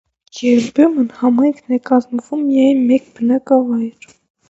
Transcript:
Երբեմն համայնք է կազմվում միայն մեկ բնակավայր։